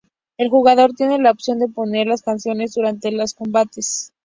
El jugador tiene la opción de poner las canciones durante los combates.